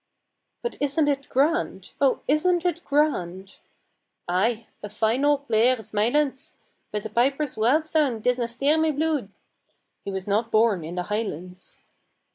"But isn't it grand? O, isn't it grand?" "Ay, a fine auld player is Mylands, But the pipes' wild sound disna stir my bluid" He was not born in the highlands.